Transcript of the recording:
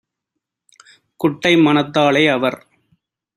குட்டை மனத்தாலே - அவர்